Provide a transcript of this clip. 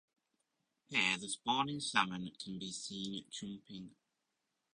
Here the spawning salmon can be seen jumping.